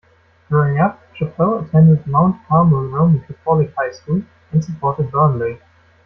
Growing up, Chaplow attended Mount Carmel Roman Catholic High School and supported Burnley.